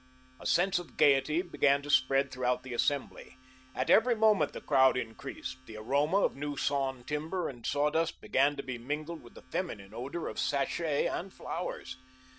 A sense of gayety began to spread throughout the assembly. At every moment the crowd increased. The aroma of new sawn timber and sawdust began to be mingled with the feminine odour of sachet and flowers.